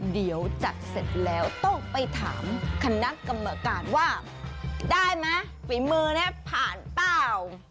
เดี๋ยวจัดเสร็จแล้วต้องไปถามคณะกรรมการว่าได้ไหมฝีมือนี้ผ่านเปล่า